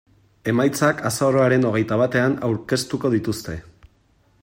Emaitzak azaroaren hogeita batean aurkeztuko dituzte.